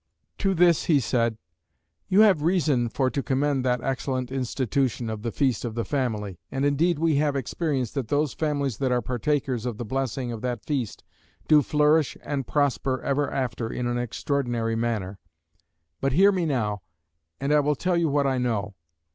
To this he said, "You have reason for to commend that excellent institution of the Feast of the Family. And indeed we have experience that those families that are partakers of the blessing of that feast do flourish and prosper ever after in an extraordinary manner. But hear me now, and I will tell you what I know.